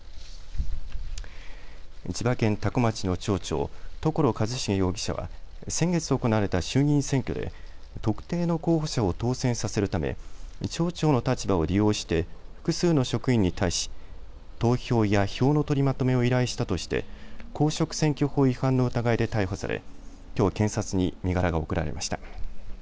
千葉県多古町の町長、所一重容疑者は先月行われた衆議院選挙で特定の候補者を当選させるため町長の立場を利用して複数の職員に対し投票や票の取りまとめを依頼したとして公職選挙法違反の疑いで逮捕されきょう検察に身柄が送られました。